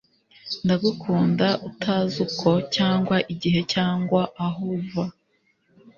Ndagukunda utazi uko, cyangwa igihe, cyangwa aho uva.